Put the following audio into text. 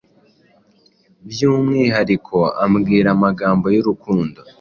by'umwihariko ambwira amagambo y'urukundo.